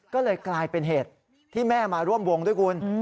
ก็เลยกลายเป็นเหตุที่แม่มาร่วมวงด้วยคุณ